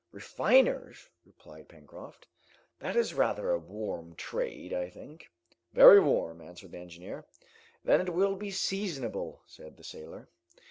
"Refiners!" replied Pencroft. "That is rather a warm trade, I think." "Very warm," answered the engineer. "Then it will be seasonable!" said the sailor.